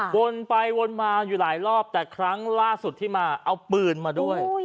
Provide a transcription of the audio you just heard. วนไปวนมาอยู่หลายรอบแต่ครั้งล่าสุดที่มาเอาปืนมาด้วย